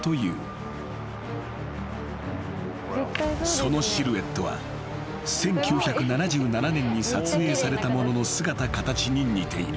［そのシルエットは１９７７年に撮影されたものの姿形に似ている］